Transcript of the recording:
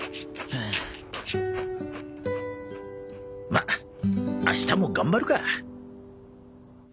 まっ明日も頑張るか。